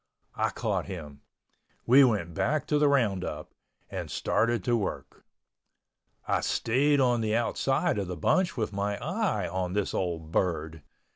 I caught him. We went back to the roundup and started to work. I stayed on the outside of the bunch with my eye on this old bird.